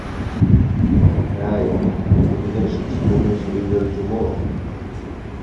ھەي، بۇ دېگەن شېكېسپېرنىڭ شېئىرلىرى جۇمۇ!